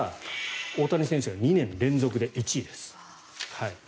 大谷選手が２年連続で１位です。